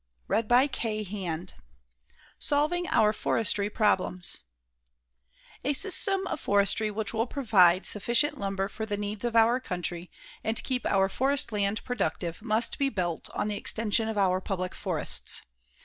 CHAPTER XIII SOLVING OUR FORESTRY PROBLEMS A system of forestry which will provide sufficient lumber for the needs of our country and keep our forest land productive must be built on the extension of our public forests.